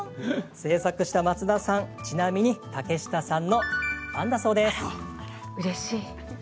製作した松田さんちなみに竹下さんのうれしい。